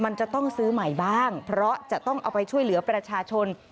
มันจะต้องซื้อใหม่บ้างเพราะจะต้องเอาไปช่วยเหลือประชาชน